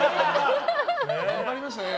頑張りましたね。